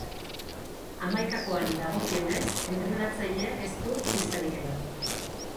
Hamaikakoari dagokionez entrenatzaileak ez du pistarik eman.